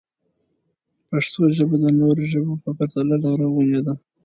پښتو ژبه د نورو ژبو په پرتله لرغونې ده.